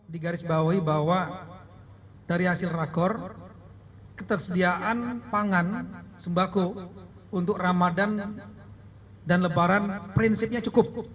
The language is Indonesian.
digarisbawahi bahwa dari hasil rakor ketersediaan pangan sembako untuk ramadan dan lebaran prinsipnya cukup